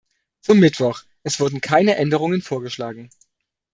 Zum Mittwoch: Es wurden keine Änderungen vorgeschlagen.